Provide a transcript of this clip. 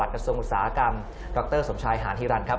กระทรวงศาลกรรมดรสมชายหานฮิรันท์ครับ